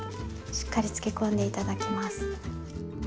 しっかり漬けこんで頂きます。